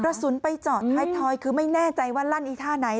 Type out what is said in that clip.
กระสุนไปเจาะท้ายทอยคือไม่แน่ใจว่าลั่นอีท่าไหน